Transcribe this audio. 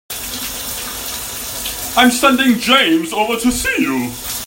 I'm sending James over to see you.